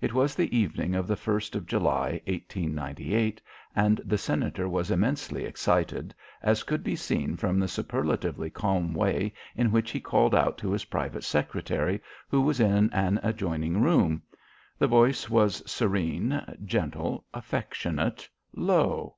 It was the evening of the 1st of July, 1898, and the Senator was immensely excited, as could be seen from the superlatively calm way in which he called out to his private secretary, who was in an adjoining room. The voice was serene, gentle, affectionate, low.